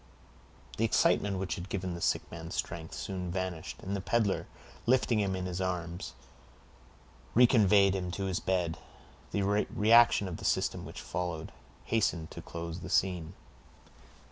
The excitement which had given the sick man strength, soon vanished, and the peddler, lifting him in his arms, reconveyed him to his bed. The reaction of the system which followed hastened to close the scene.